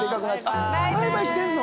あっバイバイしてんの？